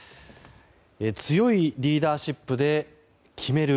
強いリーダーシップで決める